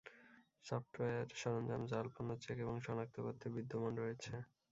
Software সরঞ্জাম জাল পণ্য চেক এবং শনাক্ত করতে বিদ্যমান রয়েছে।